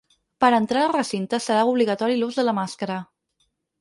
Per a entrar al recinte serà obligatori l’ús de la màscara.